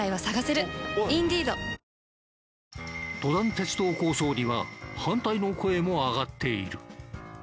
鉄道構想には反対の声も上がっている。